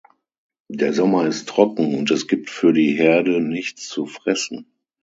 Der Sommer ist trocken und es gibt für die Herde nichts zu fressen.